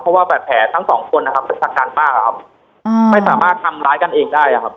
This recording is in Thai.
เพราะว่าแบบแผลทั้งสองคนนะครับเป็นศักรรมมากครับอืมไม่สามารถทำร้ายกันเองได้อะครับ